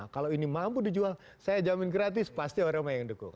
kalau ini mampu dijual saya jamin gratis pasti orang orang yang dukung